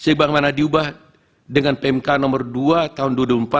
sebagaimana diubah dengan pmk nomor dua tahun dua ribu empat belas